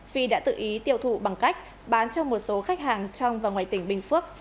phi đã tự ý tiêu thụ bằng cách bán cho một số khách hàng trong và ngoài tỉnh bình phước